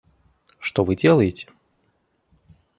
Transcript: Что Вы делаете?